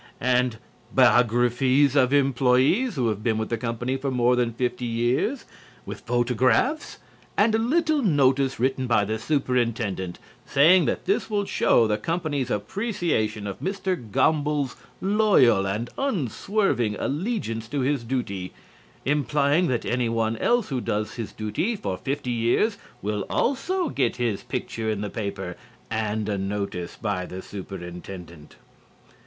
And biographies of employees who have been with the company for more than fifty years, with photographs, and a little notice written by the Superintendent saying that this will show the company's appreciation of Mr. Gomble's loyal and unswerving allegiance to his duty, implying that any one else who does his duty for fifty years will also get his picture in the paper and a notice by the Superintendent.